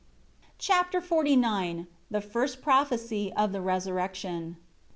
Chapter XLIX The first prophecy of the Resurrection.